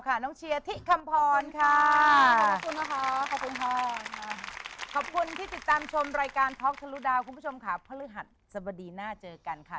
คุณผู้ชมค่ะพลหัสสวัสดีหน้าเจอกันค่ะ